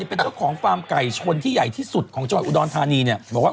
เป็นเจ้าของฟาร์มไก่ชนที่ใหญ่ที่สุดของจ๋ย๒๐๑๐เนี่ย